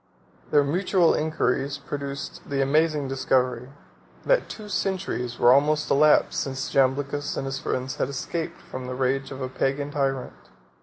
Their mutual inquiries produced the amazing discovery, that two centuries were almost elapsed since Jamblichus and his friends had escaped from the rage of a Pagan tyrant.